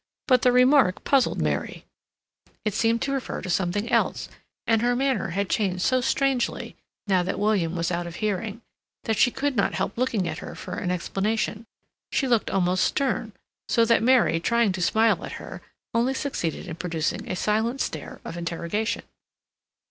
But the remark puzzled Mary; it seemed to refer to something else; and her manner had changed so strangely, now that William was out of hearing, that she could not help looking at her for an explanation. She looked almost stern, so that Mary, trying to smile at her, only succeeded in producing a silent stare of interrogation.